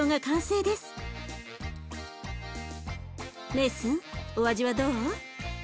メイスンお味はどう？